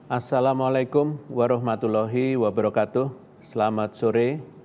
assalamualaikum warahmatullahi wabarakatuh selamat sore